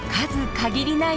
限りない